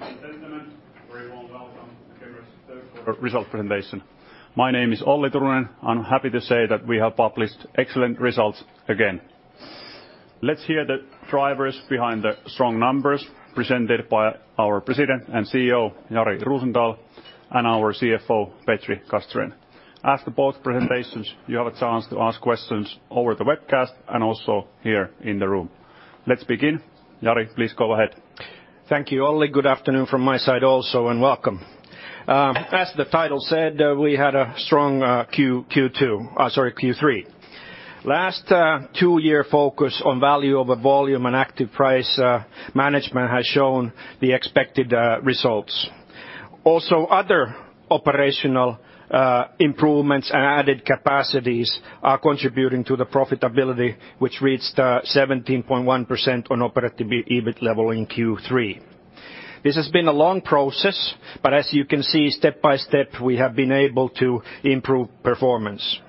Ladies and gentlemen, you're very well welcome to Kemira's third quarter result presentation. My name is Olli Turunen. I'm happy to say that we have published excellent results again. Let's hear the drivers behind the strong numbers presented by our President and CEO, Jari Rosendal, and our CFO, Petri Castrén. After both presentations, you have a chance to ask questions over the webcast and also here in the room. Let's begin. Jari, please go ahead. Thank you, Olli. Good afternoon from my side also, and welcome. As the title said, we had a strong Q3. Last two-year focus on value over volume and active price management has shown the expected results. Also, other operational improvements and added capacities are contributing to the profitability, which reached 17.1% on Operative EBIT level in Q3. This has been a long process, but as you can see, step by step, we have been able to improve performance.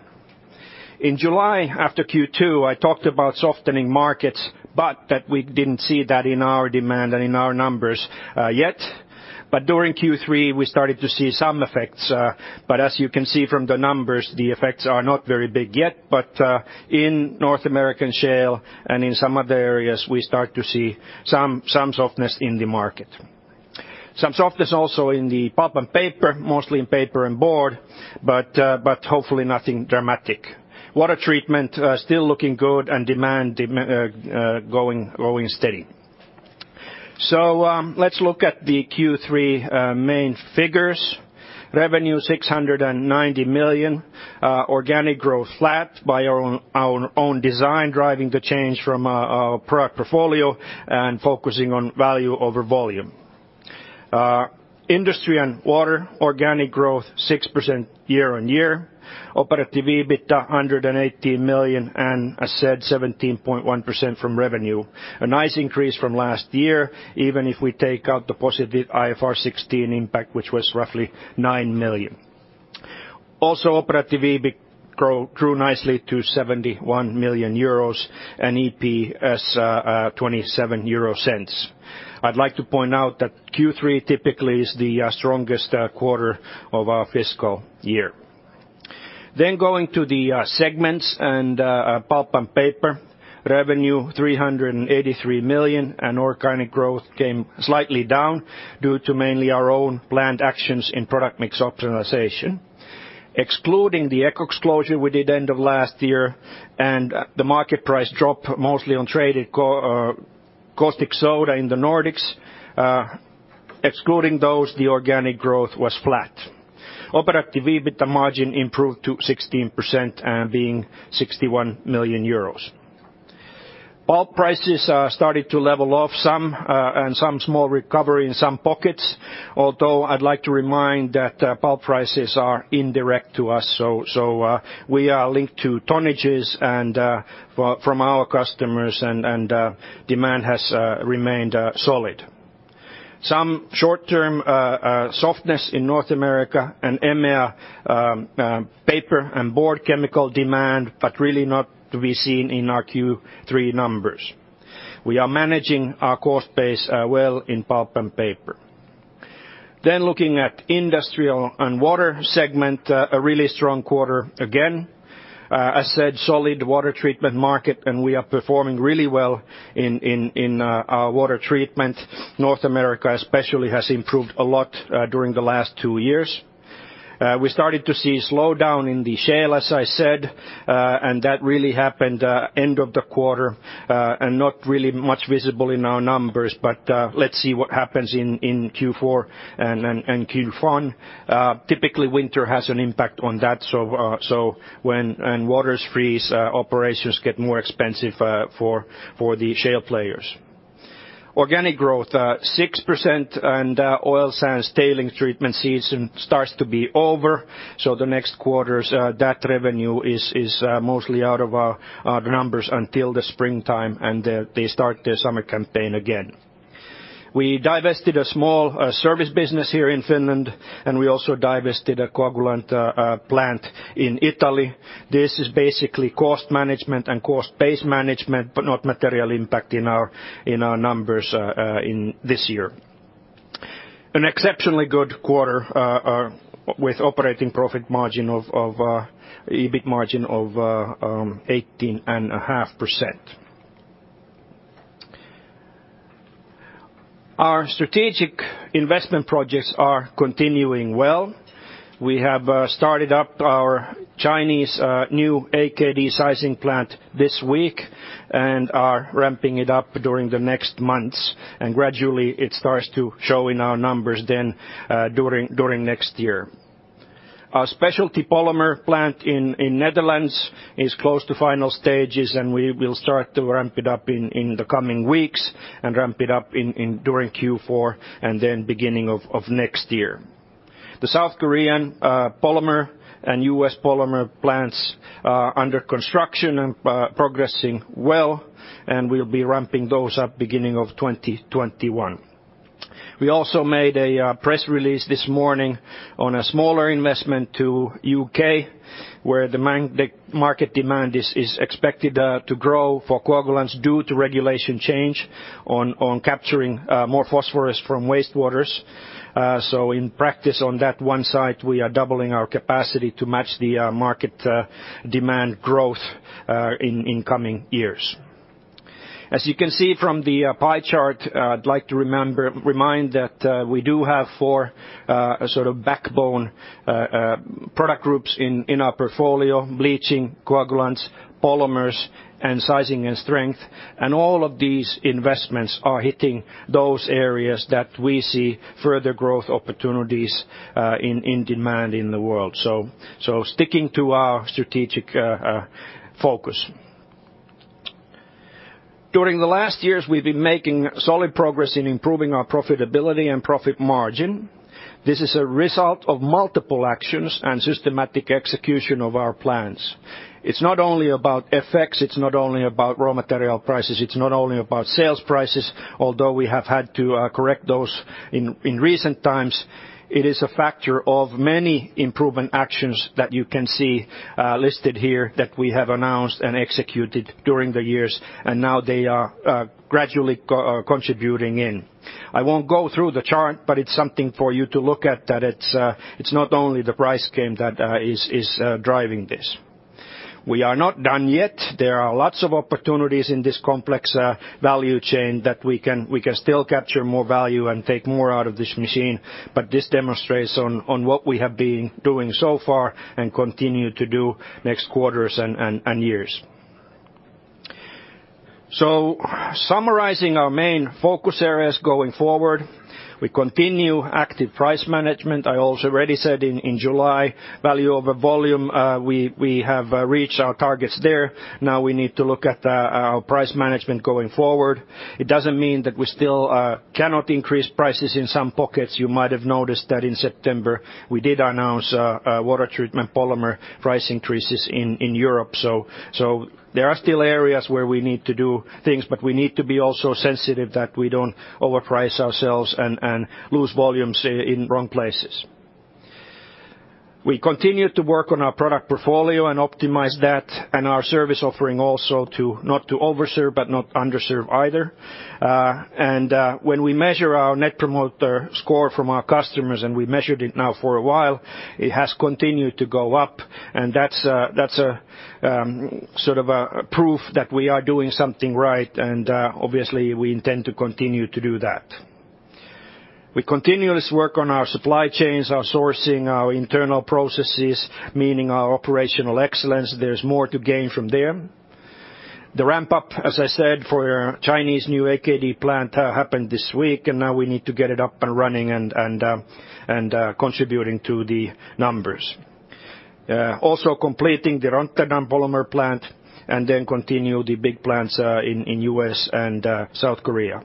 In July, after Q2, I talked about softening markets, but that we didn't see that in our demand and in our numbers yet. During Q3, we started to see some effects. As you can see from the numbers, the effects are not very big yet, but in North American shale and in some other areas, we start to see some softness in the market. Some softness also in the Pulp & Paper, mostly in paper and board, hopefully nothing dramatic. Water treatment still looking good and demand going steady. Let's look at the Q3 main figures. Revenue 690 million, organic growth flat by our own design, driving the change from our product portfolio and focusing on value over volume. Industry & Water, organic growth 6% year-over-year. Operative EBIT 118 million, and as said, 17.1% from revenue. A nice increase from last year, even if we take out the positive IFRS 16 impact, which was roughly 9 million. Also, Operative EBIT grew nicely to 71 million euros and EPS 0.27. I'd like to point out that Q3 typically is the strongest quarter of our fiscal year. Going to the segments and Pulp & Paper. Revenue 383 million and organic growth came slightly down due to mainly our own planned actions in product mix optimization. Excluding the ECOX closure we did end of last year and the market price drop mostly on traded caustic soda in the Nordics, excluding those, the organic growth was flat. Operative EBIT margin improved to 16% and being 61 million euros. pulp prices started to level off some, and some small recovery in some pockets, although I'd like to remind that pulp prices are indirect to us. We are linked to tonnages and from our customers and demand has remained solid. Some short-term softness in North America and EMEA paper and board chemical demand, really not to be seen in our Q3 numbers. We are managing our cost base well in Pulp & Paper. Looking at Industry & Water segment, a really strong quarter again. As said, solid water treatment market, and we are performing really well in our water treatment. North America especially has improved a lot during the last two years. We started to see a slowdown in the shale, as I said, and that really happened end of the quarter, and not really much visible in our numbers. Let's see what happens in Q4 and Q1. Typically, winter has an impact on that, and waters freeze, operations get more expensive for the shale players. Organic growth 6%, and oil sands tailings treatment season starts to be over. The next quarters, that revenue is mostly out of our numbers until the springtime, and they start their summer campaign again. We divested a small service business here in Finland, and we also divested a coagulant plant in Italy. This is basically cost management and cost base management, but not material impact in our numbers this year. An exceptionally good quarter with operating profit margin of EBIT margin of 18.5%. Our strategic investment projects are continuing well. We have started up our Chinese new AKD sizing plant this week and are ramping it up during the next months, and gradually it starts to show in our numbers then during next year. Our specialty polymer plant in Netherlands is close to final stages, and we will start to ramp it up in the coming weeks and ramp it up during Q4 and then beginning of next year. The South Korean polymer and U.S. polymer plants are under construction and progressing well, and we'll be ramping those up beginning of 2021. We also made a press release this morning on a smaller investment to U.K., where the market demand is expected to grow for coagulants due to regulation change on capturing more phosphorus from wastewaters. In practice, on that one site, we are doubling our capacity to match the market demand growth in coming years. As you can see from the pie chart, I'd like to remind that we do have four backbone product groups in our portfolio: bleaching, coagulants, polymers, and sizing and strength. All of these investments are hitting those areas that we see further growth opportunities in demand in the world. Sticking to our strategic focus. During the last years, we've been making solid progress in improving our profitability and profit margin. This is a result of multiple actions and systematic execution of our plans. It's not only about FX, it's not only about raw material prices, it's not only about sales prices, although we have had to correct those in recent times. It is a factor of many improvement actions that you can see listed here that we have announced and executed during the years, and now they are gradually contributing in. I won't go through the chart, but it's something for you to look at, that it's not only the price game that is driving this. We are not done yet. There are lots of opportunities in this complex value chain that we can still capture more value and take more out of this machine. But this demonstrates on what we have been doing so far and continue to do next quarters and years. Summarizing our main focus areas going forward, we continue active price management. I also already said in July, value over volume, we have reached our targets there. We need to look at our price management going forward. It doesn't mean that we still cannot increase prices in some pockets. You might have noticed that in September, we did announce water treatment polymer price increases in Europe. There are still areas where we need to do things, but we need to be also sensitive that we don't overprice ourselves and lose volumes in wrong places. We continue to work on our product portfolio and optimize that, and our service offering also to not to overserve, but not underserve either. When we measure our Net Promoter Score from our customers, we measured it now for a while, it has continued to go up, that's a proof that we are doing something right. Obviously, we intend to continue to do that. We continuously work on our supply chains, our sourcing, our internal processes, meaning our operational excellence. There's more to gain from there. The ramp-up, as I said, for Chinese new AKD plant happened this week, now we need to get it up and running and contributing to the numbers. Also completing the Rotterdam polymer plant then continue the big plants in U.S. and South Korea.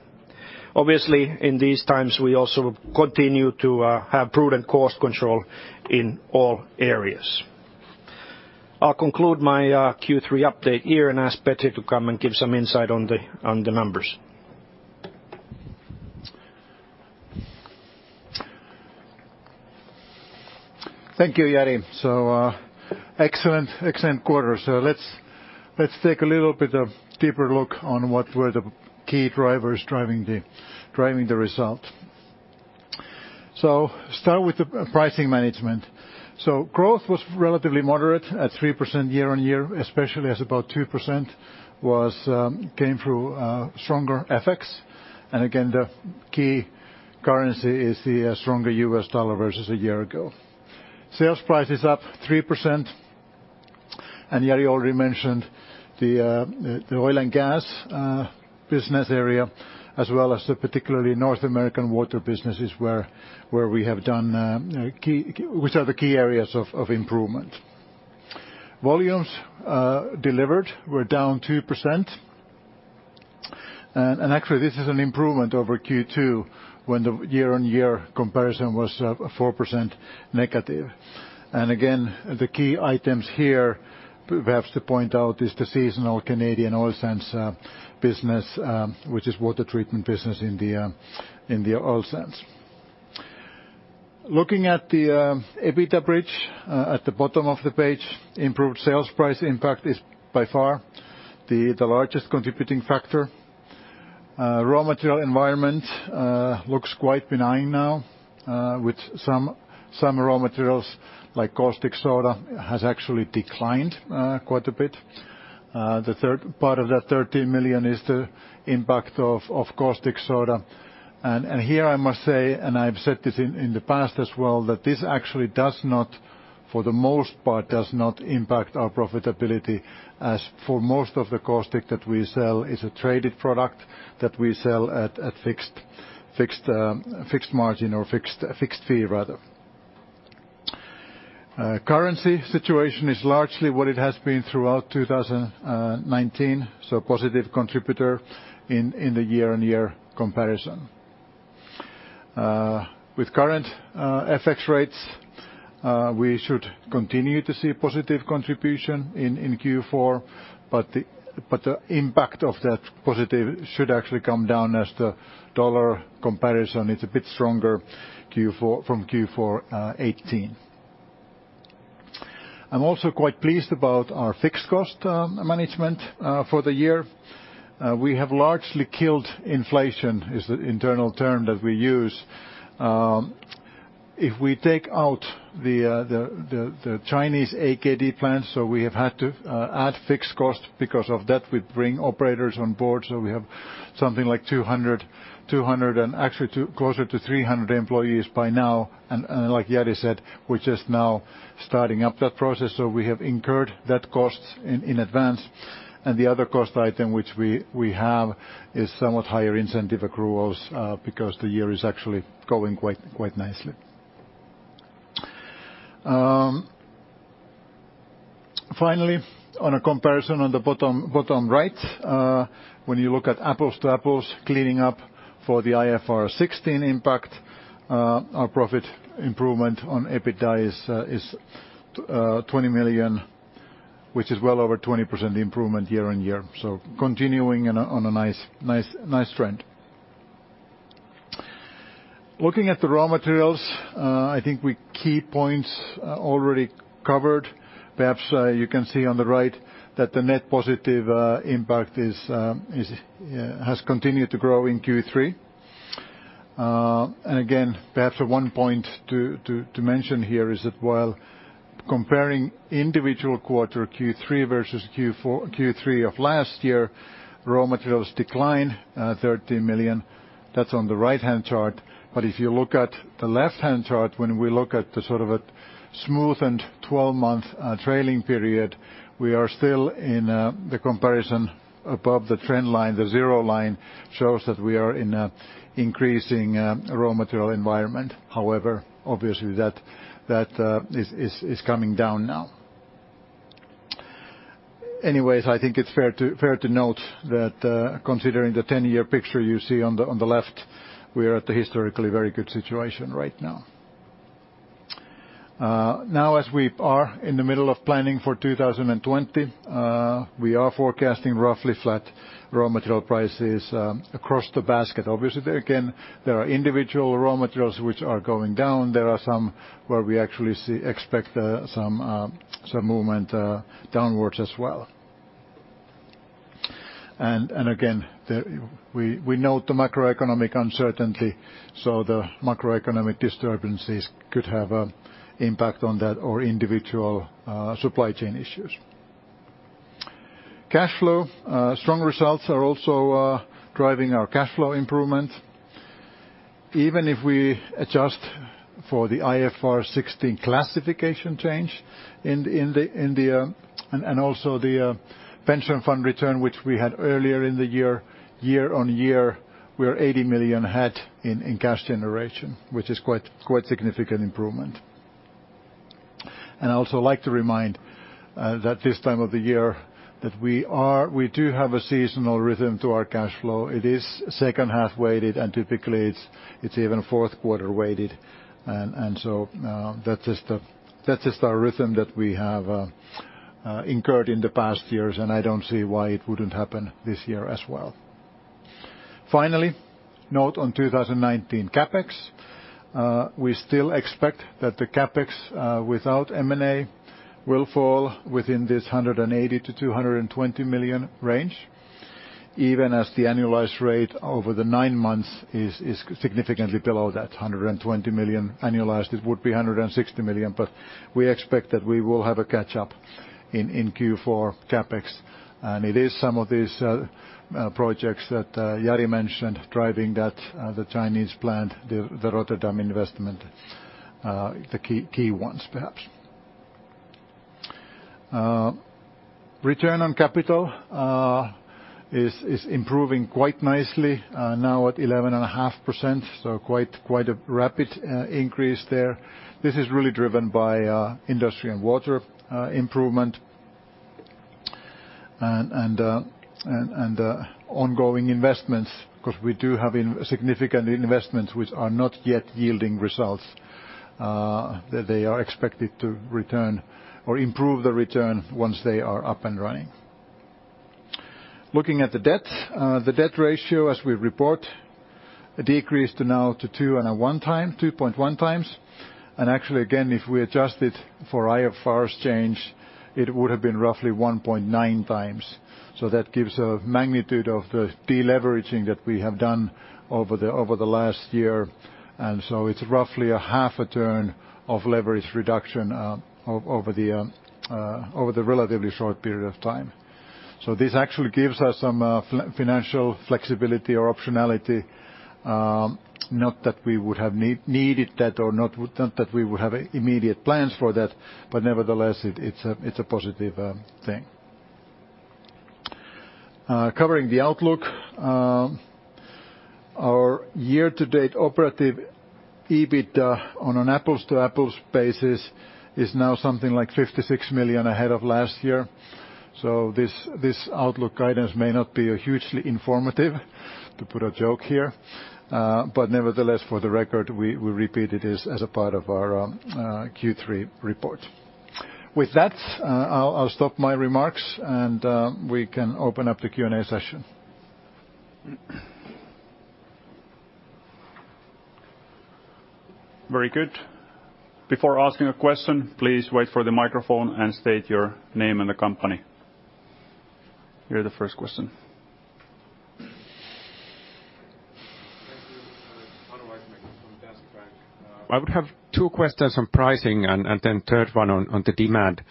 Obviously, in these times, we also continue to have prudent cost control in all areas. I'll conclude my Q3 update here and ask Petri to come and give some insight on the numbers. Thank you, Jari. Excellent quarter. Let's take a little bit of deeper look on what were the key drivers driving the result. Start with the pricing management. Growth was relatively moderate at 3% year-on-year, especially as about 2% came through stronger FX. Again, the key currency is the stronger US dollar versus a year ago. Sales price is up 3%, and Jari already mentioned the oil and gas business area, as well as the particularly North American water businesses which are the key areas of improvement. Volumes delivered were down 2%. Actually, this is an improvement over Q2 when the year-on-year comparison was 4% negative. Again, the key items here, perhaps to point out, is the seasonal Canadian oil sands business, which is water treatment business in the oil sands. Looking at the EBITDA bridge at the bottom of the page, improved sales price impact is by far the largest contributing factor. Raw material environment looks quite benign now, with some raw materials like caustic soda has actually declined quite a bit. The third part of that 13 million is the impact of caustic soda. Here I must say, and I've said this in the past as well, that this actually, for the most part, does not impact our profitability, as for most of the caustic that we sell is a traded product that we sell at a fixed margin or fixed fee, rather. Currency situation is largely what it has been throughout 2019, so a positive contributor in the year-on-year comparison. With current FX rates, we should continue to see positive contribution in Q4, but the impact of that positive should actually come down as the dollar comparison is a bit stronger from Q4 2018. I'm also quite pleased about our fixed cost management for the year. We have largely killed inflation, is the internal term that we use. If we take out the Chinese AKD plant, so we have had to add fixed cost because of that. We bring operators on board, so we have something like 200, actually closer to 300 employees by now. Like Jari said, we're just now starting up that process, so we have incurred that cost in advance. The other cost item which we have is somewhat higher incentive accruals, because the year is actually going quite nicely. Finally, on a comparison on the bottom right, when you look at apples to apples, cleaning up for the IFRS 16 impact, our profit improvement on EBITDA is 20 million, which is well over 20% improvement year-on-year. Continuing on a nice trend. Looking at the raw materials, I think we key points already covered. Perhaps you can see on the right that the net positive impact has continued to grow in Q3. Again, perhaps one point to mention here is that while comparing individual quarter Q3 versus Q3 of last year, raw materials decline 13 million. That's on the right-hand chart. If you look at the left-hand chart, when we look at the smoothed 12-month trailing period, we are still in the comparison above the trend line. The zero line shows that we are in a increasing raw material environment. Obviously, that is coming down now. I think it's fair to note that, considering the 10-year picture you see on the left, we are at the historically very good situation right now. Now as we are in the middle of planning for 2020, we are forecasting roughly flat raw material prices across the basket. Obviously, there again, there are individual raw materials which are going down. There are some where we actually expect some movement downwards as well. Again, we note the macroeconomic uncertainty, so the macroeconomic disturbances could have an impact on that or individual supply chain issues. Cash flow. Strong results are also driving our cash flow improvement. Even if we adjust for the IFRS 16 classification change and also the pension fund return which we had earlier in the year-on-year, we are 80 million ahead in cash generation, which is quite significant improvement. I also like to remind that this time of the year, that we do have a seasonal rhythm to our cash flow. It is second-half weighted, and typically it is even fourth-quarter weighted. So that is our rhythm that we have incurred in the past years, and I do not see why it would not happen this year as well. Finally, note on 2019 CapEx. We still expect that the CapEx, without M&A, will fall within this 180 million-220 million range, even as the annualized rate over the nine months is significantly below that 120 million. Annualized, it would be 160 million. We expect that we will have a catch-up in Q4 CapEx. It is some of these projects that Jari mentioned driving that, the Chinese plant, the Rotterdam investment, the key ones perhaps. Return on capital is improving quite nicely, now at 11.5%, so quite a rapid increase there. This is really driven by Industry & Water improvement and ongoing investments, because we do have significant investments which are not yet yielding results. They are expected to return or improve the return once they are up and running. Looking at the debt. The debt ratio, as we report, decreased to now to 2.1 times. Actually again, if we adjust it for IFRS change, it would have been roughly 1.9 times. That gives a magnitude of the de-leveraging that we have done over the last year. It's roughly a half a turn of leverage reduction over the relatively short period of time. This actually gives us some financial flexibility or optionality. Not that we would have needed that or not that we would have immediate plans for that, nevertheless, it's a positive thing. Covering the outlook. Our year-to-date Operative EBITDA on an apples-to-apples basis is now something like 56 million ahead of last year. This outlook guidance may not be hugely informative, to put a joke here. Nevertheless, for the record, we repeat it as a part of our Q3 report. With that, I'll stop my remarks, and we can open up the Q&A session. Very good. Before asking a question, please wait for the microphone and state your name and the company. You're the first question. Thank you. Otto Weidenreich from DNB. I would have two questions on pricing and then third one on the demand.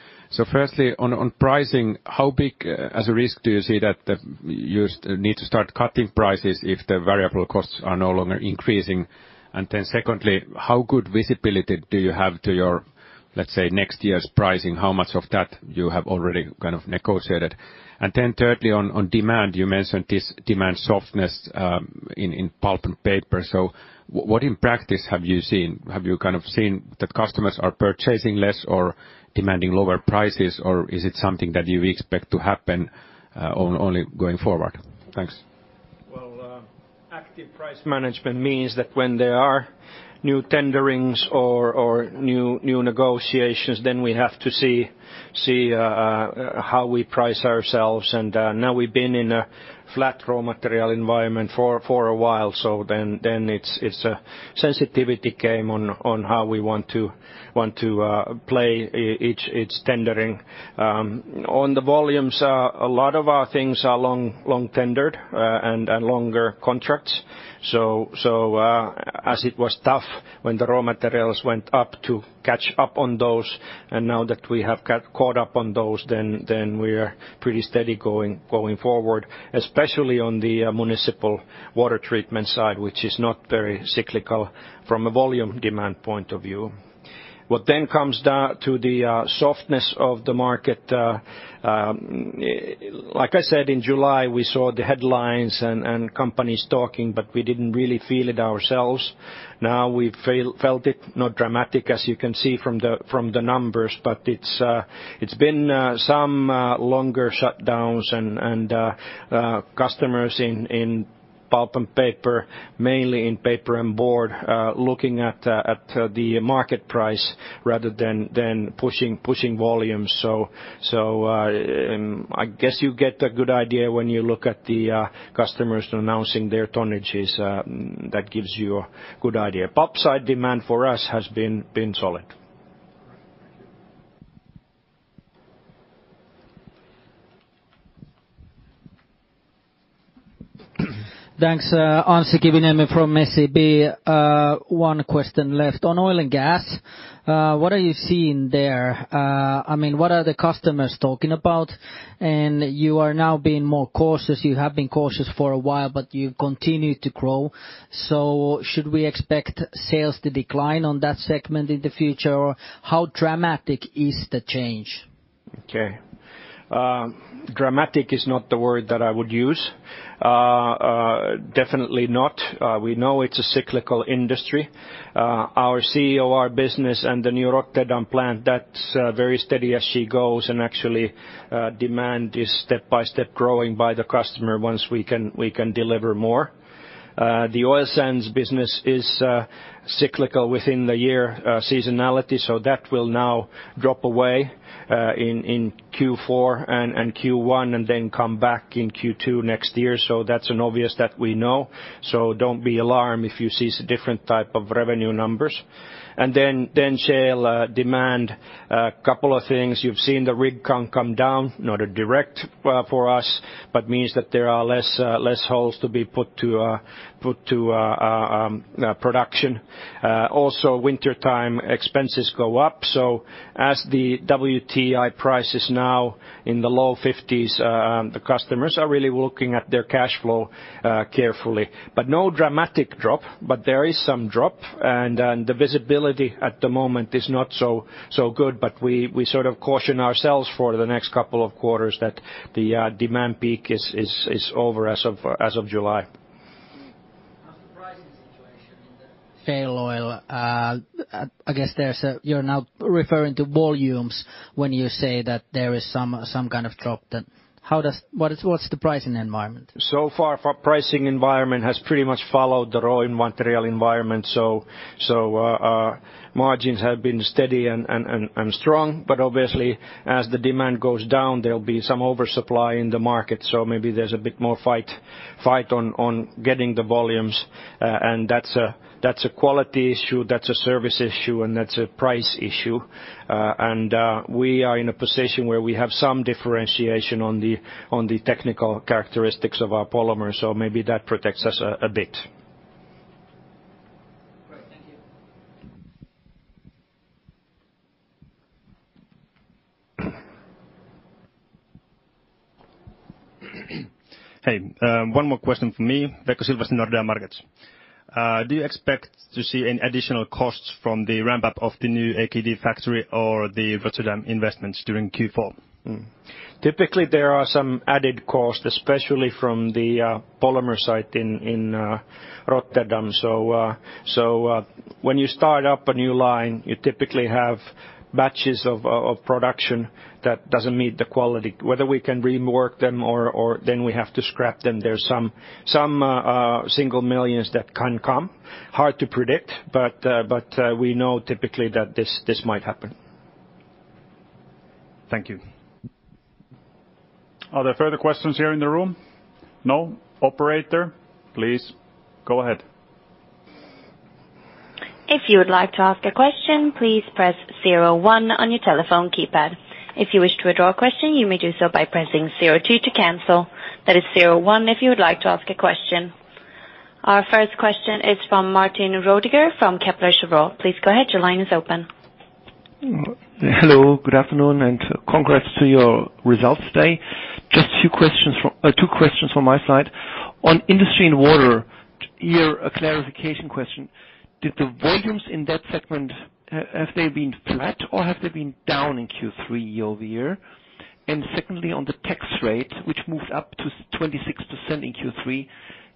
Firstly, on pricing, how big as a risk do you see that you need to start cutting prices if the variable costs are no longer increasing? Secondly, how good visibility do you have to your, let's say, next year's pricing? How much of that you have already kind of negotiated? Thirdly, on demand, you mentioned this demand softness in Pulp & Paper. What in practice have you seen? Have you seen that customers are purchasing less or demanding lower prices, or is it something that you expect to happen only going forward? Thanks. Active price management means that when there are new tenderings or new negotiations, we have to see how we price ourselves. Now we've been in a flat raw material environment for a while. It's a sensitivity game on how we want to play each tendering. On the volumes, a lot of our things are long tendered and longer contracts. As it was tough when the raw materials went up to catch up on those, and now that we have got caught up on those, we are pretty steady going forward, especially on the municipal water treatment side, which is not very cyclical from a volume demand point of view. What comes down to the softness of the market, like I said, in July, we saw the headlines and companies talking, but we didn't really feel it ourselves. We've felt it, not dramatic, as you can see from the numbers, but it's been some longer shutdowns and customers in Pulp & Paper, mainly in paper and board, looking at the market price rather than pushing volume. I guess you get a good idea when you look at the customers announcing their tonnages. That gives you a good idea. Pulp side demand for us has been solid. All right. Thank you. Thanks. Anssi Kivinen from SEB. One question left. On oil and gas, what are you seeing there? What are the customers talking about? You are now being more cautious. You have been cautious for a while, but you continue to grow. Should we expect sales to decline on that segment in the future? How dramatic is the change? Okay. Dramatic is not the word that I would use. Definitely not. We know it's a cyclical industry. Our COR business and the new Rotterdam plant, that's very steady as she goes, and actually, demand is step by step growing by the customer once we can deliver more. The oil sands business is cyclical within the year seasonality, that will now drop away in Q4 and Q1, and then come back in Q2 next year. That's an obvious that we know. Don't be alarmed if you see different type of revenue numbers. Shale demand, couple of things. You've seen the rig count come down, not a direct for us, but means that there are less holes to be put to production. Also, wintertime expenses go up. As the WTI price is now in the low 50s, the customers are really looking at their cash flow carefully. No dramatic drop, but there is some drop, and the visibility at the moment is not so good. We sort of caution ourselves for the next couple of quarters that the demand peak is over as of July. On the pricing situation in the shale oil, I guess you're now referring to volumes when you say that there is some kind of drop. What's the pricing environment? Far, pricing environment has pretty much followed the raw material environment. Our margins have been steady and strong, but obviously, as the demand goes down, there'll be some oversupply in the market. Maybe there's a bit more fight on getting the volumes, and that's a quality issue, that's a service issue, and that's a price issue. We are in a position where we have some differentiation on the technical characteristics of our polymers, so maybe that protects us a bit. Great. Thank you. Hey. One more question from me. Pekka Silvast, Nordea Markets. Do you expect to see any additional costs from the ramp-up of the new AKD factory or the Rotterdam investments during Q4? Typically, there are some added costs, especially from the polymer site in Rotterdam. When you start up a new line, you typically have batches of production that doesn't meet the quality, whether we can rework them or then we have to scrap them. There's some EUR single millions that can come. Hard to predict, we know typically that this might happen. Thank you. Are there further questions here in the room? No. Operator, please go ahead. If you would like to ask a question, please press 01 on your telephone keypad. If you wish to withdraw a question, you may do so by pressing 02 to cancel. That is 01 if you would like to ask a question. Our first question is from Martin Roediger from Kepler Cheuvreux. Please go ahead. Your line is open. Hello. Good afternoon, and congrats to your results today. Just two questions from my side. On Industry & Water, here a clarification question, did the volumes in that segment, have they been flat or have they been down in Q3 year-over-year? Secondly, on the tax rate, which moved up to 26% in Q3,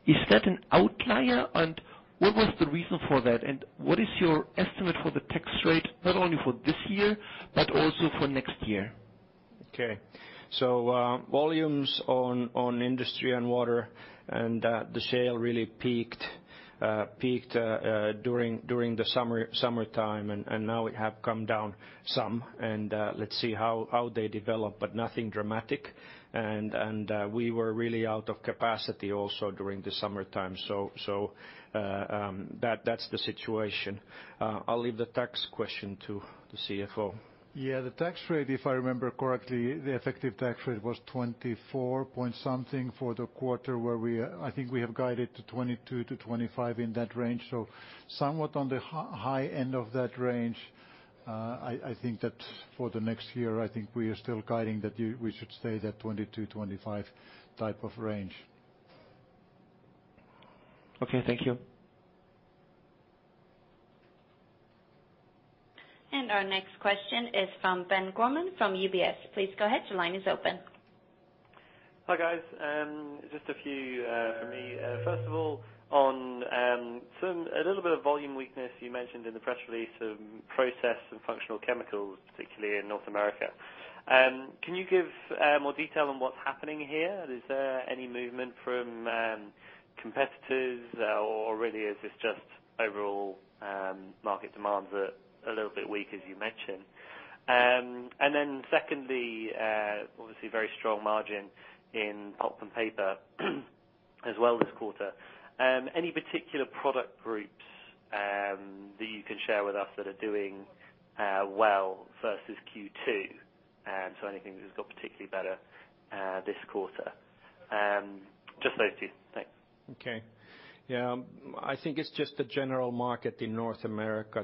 is that an outlier? What was the reason for that? What is your estimate for the tax rate, not only for this year, but also for next year? Okay. Volumes on Industry & Water and the sale really peaked during the summertime, and now it has come down some and let's see how they develop, but nothing dramatic. We were really out of capacity also during the summertime. That's the situation. I'll leave the tax question to the CFO. The tax rate, if I remember correctly, the effective tax rate was 24 point something% for the quarter where I think we have guided to 22%-25% in that range. Somewhat on the high end of that range. I think that for the next year, I think we are still guiding that we should stay that 22%-25% type of range. Okay. Thank you. Our next question is from Ben Gorman from UBS. Please go ahead. Your line is open. Hi, guys. Just a few from me. First of all, on a little bit of volume weakness you mentioned in the press release of process and functional chemicals, particularly in North America. Can you give more detail on what's happening here? Is there any movement from competitors or really is this just overall market demands are a little bit weak as you mentioned? Secondly, obviously very strong margin in Pulp & Paper as well this quarter. Any particular product groups that you can share with us that are doing well versus Q2? Anything that has got particularly better this quarter. Just those two. Thanks. Okay. Yeah, I think it's just the general market in North America.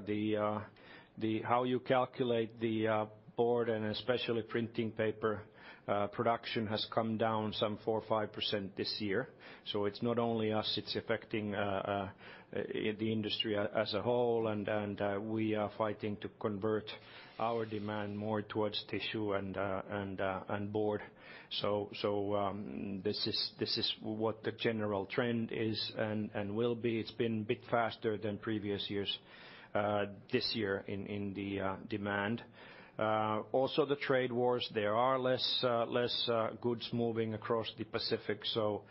How you calculate the board and especially printing paper production has come down some 4%, 5% this year. It's not only us, it's affecting the industry as a whole and we are fighting to convert our demand more towards tissue and board. This is what the general trend is and will be. It's been a bit faster than previous years this year in the demand. Also the trade wars, there are less goods moving across the Pacific, so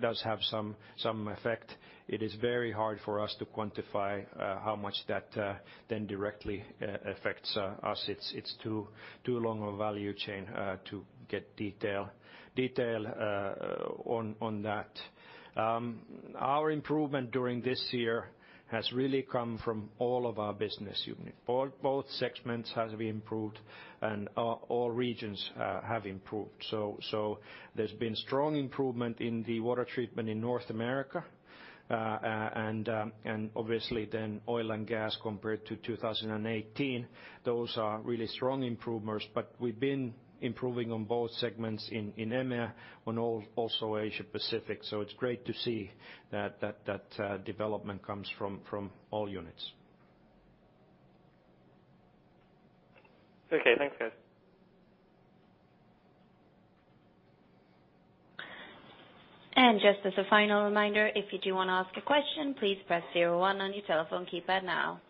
does have some effect. It is very hard for us to quantify how much that then directly affects us. It's too long a value chain to get detail on that. Our improvement during this year has really come from all of our business unit. Both segments has improved and all regions have improved. There's been strong improvement in the water treatment in North America. Obviously then oil and gas compared to 2018, those are really strong improvements. We've been improving on both segments in EMEA, on also Asia Pacific. It's great to see that that development comes from all units. Okay. Thanks, guys. Just as a final reminder, if you do want to ask a question, please press 01 on your telephone keypad now.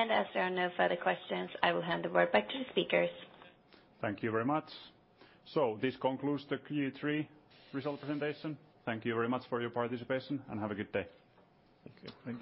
As there are no further questions, I will hand the word back to the speakers. Thank you very much. This concludes the Q3 result presentation. Thank you very much for your participation, and have a good day. Thank you.